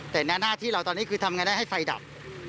แต่ในหน้าที่เราตอนนี้คือทำไงได้ให้ไฟดับ